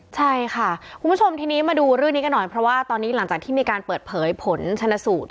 ใช่ค่ะคุณผู้ชมทีนี้มาดูเรื่องนี้กันหน่อยเพราะว่าตอนนี้หลังจากที่มีการเปิดเผยผลชนสูตร